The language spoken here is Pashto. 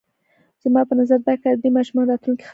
زما په نظر دا کار د دې ماشومانو راتلونکی خرابوي.